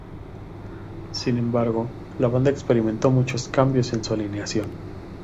Sin embargo, la banda experimentó muchos cambios en su alineación.